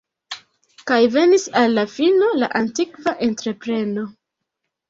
Kaj venis al la fino la antikva entrepreno.